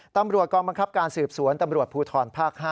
ตำรวจกองบังคับการสืบสวนตำรวจภูทรภาค๕